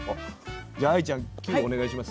じゃあ、ＡＩちゃんキューお願いします。